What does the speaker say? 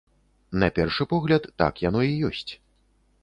На першы погляд, так яно і ёсць.